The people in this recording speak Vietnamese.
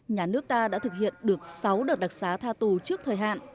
nhà nước ta đã thực hiện được sáu đợt đặc xá tha tù trước thời hạn